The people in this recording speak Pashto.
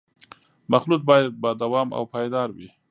مخلوط باید با دوام او پایدار وي